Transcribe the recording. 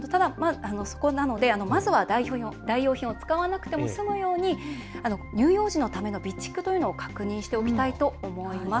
なので、まずは代用品を使わなくても済むように乳幼児のための備蓄というのを確認しておきたいと思います。